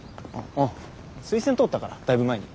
うん推薦通ったからだいぶ前に。